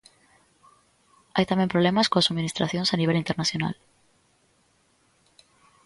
Hai tamén problemas coas subministracións a nivel internacional.